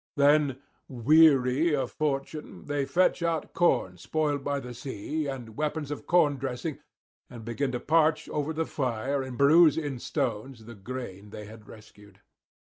Then, weary of fortune, they fetch out corn spoiled by the sea and weapons of corn dressing, and begin to parch over the fire and bruise in stones the grain they had rescued.